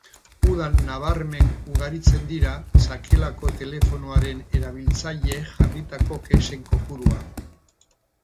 Udan nabarmen ugaritzen dira sakelako telefonoaren erabiltzaileek jarritako kexen kopurua.